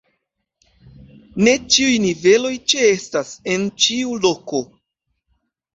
Ne ĉiuj niveloj ĉeestas en ĉiu loko.